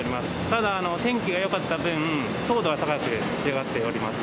ただ天気がよかった分糖度が高く仕上がっております。